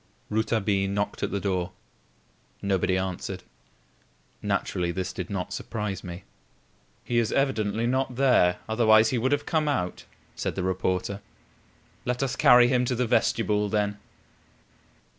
Rouletabille knocked at the door. Nobody answered. Naturally, this did not surprise me. "He is evidently not there, otherwise he would have come out," said the reporter. "Let us carry him to the vestibule then."